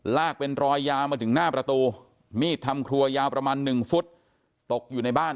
ลากเป็นรอยยาวมาถึงหน้าประตูมีดทำครัวยาวประมาณ๑ฟุตตกอยู่ในบ้าน